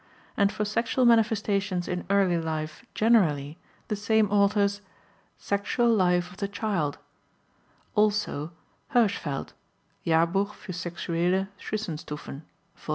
and for sexual manifestations in early life generally, the same author's Sexual Life of the Child; also Hirschfeld, Jahrbuch für sexuelle Zwischenstufen, vol.